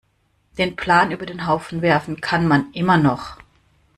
Den Plan über den Haufen werfen kann man immer noch.